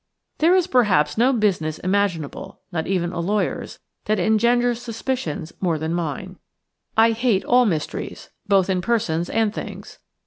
There is, perhaps, no business imaginable – not even a lawyer's – that engenders suspicions more than mine. I hate all mysteries – both in persons and things.